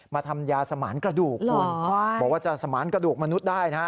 ทำยาสมานกระดูกคุณบอกว่าจะสมานกระดูกมนุษย์ได้นะฮะ